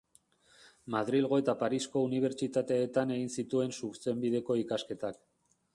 Madrilgo eta Parisko unibertsitateetan egin zituen Zuzenbideko ikasketak.